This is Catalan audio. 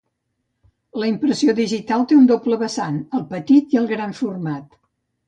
La impressió digital té un doble vessant: el petit i el gran format.